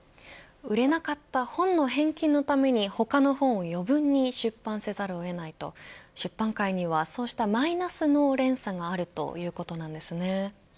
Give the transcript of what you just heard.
売れなかった本の返金のために他の本を余分に出版せざるを得ないと出版界にはそうしたマイナスの連鎖があるということなんですね。